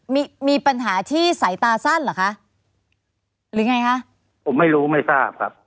มีมีปัญหาที่สายตาสั้นเหรอคะหรือไงคะผมไม่รู้ไม่ทราบครับ